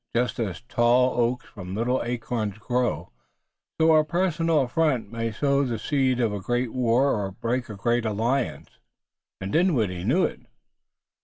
Just as tall oaks from little acorns grow, so a personal affront may sow the seed of a great war or break a great alliance, and Dinwiddie knew it.